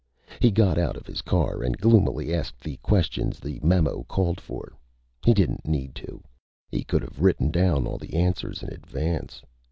He got out of his car and gloomily asked the questions the memo called for. He didn't need to. He could have written down all the answers in advance.